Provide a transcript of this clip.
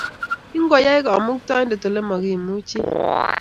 Ingoyai Kamuktaindet ole makimuchi